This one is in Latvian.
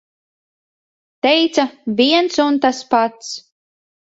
Teica - viens un tas pats.